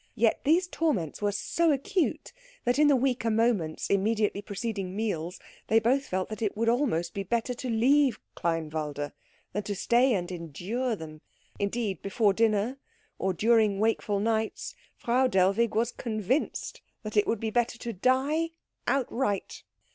Yet these torments were so acute that in the weaker moments immediately preceding meals they both felt that it would almost be better to leave Kleinwalde than to stay and endure them; indeed, before dinner, or during wakeful nights, Frau Dellwig was convinced that it would be better to die outright.